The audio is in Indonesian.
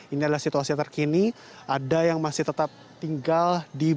ini adalah situasi terkini ada yang masih tetap tinggal di bali